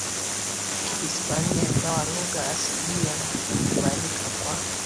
Kihispania ingawa lugha asilia zinakubalika kwa